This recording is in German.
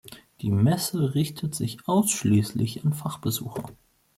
Die Messe richtet sich ausschließlich an Fachbesucher.